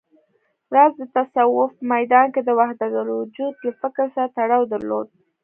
راز د تصوف په ميدان کې د وحدتالوجود له فکر سره تړاو درلود